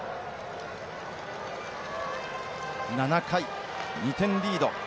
７回２点リード。